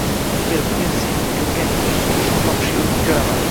Kel, bugun sen qilgan uchta ishni topishga urinib ko‘raman.